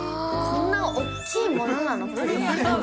こんなおっきいものなの？